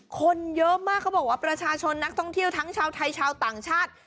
คนเยอะมากเขาบอกว่าประชาชนนักท่องเที่ยวทั้งชาวไทยชาวต่างชาติ